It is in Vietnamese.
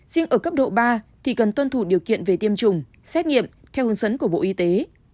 riêng ở cấp độ ba thì cần tuân thủ điều kiện về tiêm chủng xét nghiệm theo hướng dẫn của bộ y tế